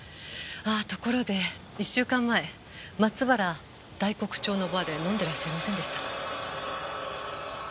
ところで１週間前松原大黒町のバーで飲んでらっしゃいませんでした？